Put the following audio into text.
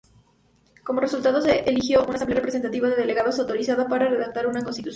Como resultado se eligió una asamblea representativa de delegados, autorizada para redactar una constitución.